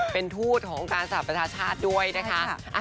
เป็นทูตของการสรรพชาติด้วยนะคะ